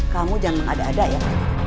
kamu jangan mengada ada ya